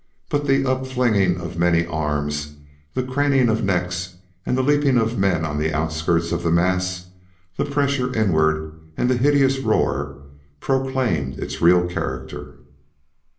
But the upflinging of many arms, the craning of necks, and the leaping of men on the outskirts of the mass, the pressure inward and the hideous roar, proclaimed its real character.